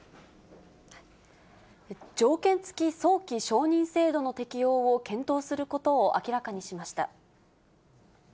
条件付き早期承認制度の適用を検討することを明らかにしました。